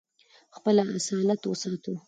خپل اصالت وساتو.